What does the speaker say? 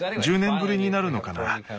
１０年ぶりになるのかな。